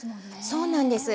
そうなんです。